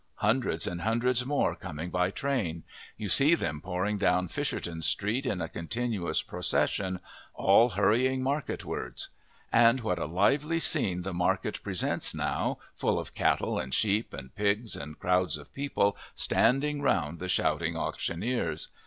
Hundreds and hundreds more coming by train; you see them pouring down Fisherton Street in a continuous procession, all hurrying market wards. And what a lively scene the market presents now, full of cattle and sheep and pigs and crowds of people standing round the shouting auctioneers!